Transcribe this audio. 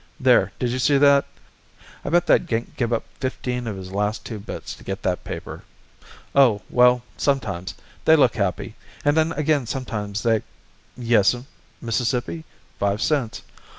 There, did you see that? I bet that gink give up fifteen of his last two bits to get that paper. O, well, sometimes they look happy, and then again sometimes they Yes'm. Mississippi? Five cents.